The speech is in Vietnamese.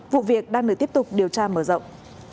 vụ việc đang được tiếp tục điều tra mở rộng